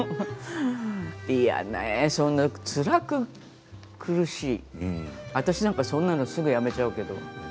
いやね、つらく苦しい私なんかそんなのすぐやめちゃうけど。